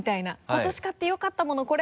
今年買ってよかったものこれ！